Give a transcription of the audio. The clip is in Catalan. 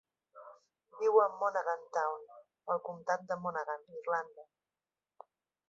Viu a Monaghan Town, al comtat de Monaghan, Irlanda.